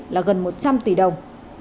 là gần một trăm linh tỷ đồng